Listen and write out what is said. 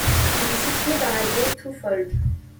Il est situé dans la baie Twofold.